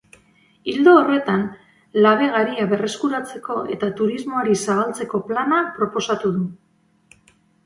Ildo horretan, labe garia berreskuratzeko eta turismoari zabaltzeko plana proposatu du.